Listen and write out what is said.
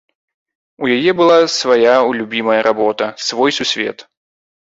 У яе была свая любімая работа, свой сусвет.